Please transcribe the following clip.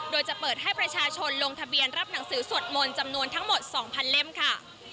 โดยจะเปิดให้ประชาชนลงทะเบียนรับหนังสือสวดมนต์จำนวนทั้งหมด๒๐๐เล่มค่ะ